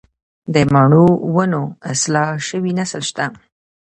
د مڼو د ونو اصلاح شوی نسل شته